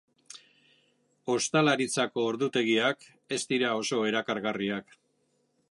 Ostalaritzako ordutegiak ez dira oso erakargarriak.